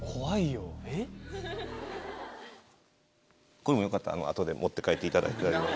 これもよかったら後で持って帰っていただいて。